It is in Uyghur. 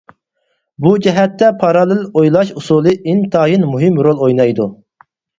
بۇ جەھەتتە «پاراللېل ئويلاش» ئۇسۇلى ئىنتايىن مۇھىم رول ئوينايدۇ.